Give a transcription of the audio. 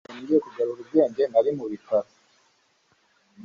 igihe nongeye kugarura ubwenge, nari mu bitaro